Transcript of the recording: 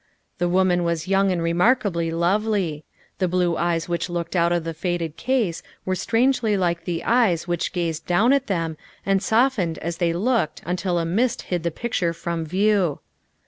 The woman was young and remark ably lovely. The blue eyes which looked out of the faded case were strangely like the eyes which gazed down at them and softened as they looked until a mist hid the picture from view.